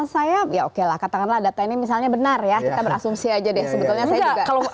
saya ya oke lah katakanlah data ini misalnya benar ya kita berasumsi aja deh sebetulnya saya kalau